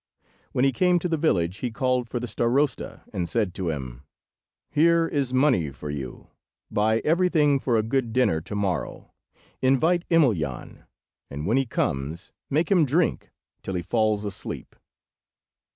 When he came to the village, he called for the Starosta, and said to him— "Here is money for you. Buy everything for a good dinner to morrow. Invite Emelyan, and when he comes make him drink till he falls asleep."